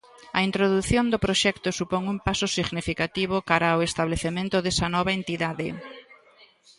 A introdución do proxecto supón un paso significativo cara ao establecemento desa nova entidade.